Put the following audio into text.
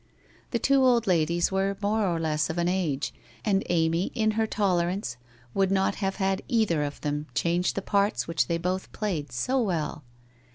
The two old ladies were more or less of an age, and Amy, in her tolerance, would not have had either of them change the parts which they both played so well.